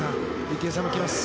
池江さんが来ます。